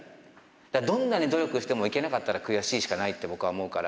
だからどんなに努力してもいけなかったら悔しいしかないと僕は思うから。